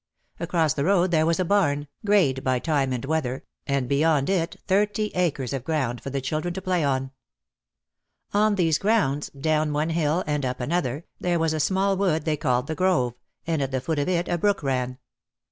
Across the road there was a barn, greyed by time and weather, and beyond it thirty acres of ground for the children to play on. On these grounds, down one hill and up another, there was a small wood they called the Grove and at the foot of it a brook ran.